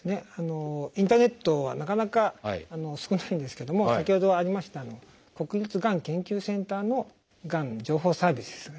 インターネットはなかなか少ないんですけども先ほどありました国立がん研究センターのがん情報サービスですね